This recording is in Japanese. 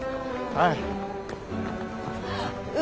はい。